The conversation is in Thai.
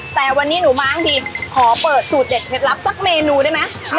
แต่วันนี้หนูมาบางทีขอเปิดสูตรเด็ดเคล็ดลับสักเมนูได้ไหม